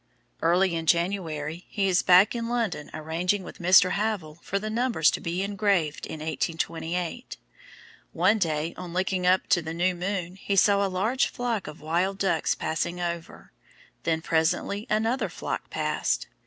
Early in January he is back in London arranging with Mr. Havell for the numbers to be engraved in 1828. One day on looking up to the new moon he saw a large flock of wild ducks passing over, then presently another flock passed.